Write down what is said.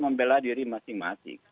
membela diri masing masing